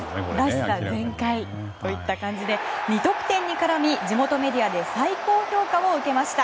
らしさ全開といった感じで２得点に絡み地元メディアで最高評価を受けました。